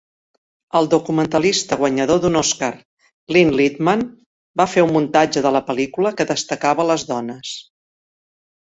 El documentalista guanyador d'un Òscar Lynne Littman va fer un muntatge de la pel·lícula que destacava les dones.